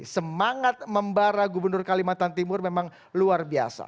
semangat membara gubernur kalimantan timur memang luar biasa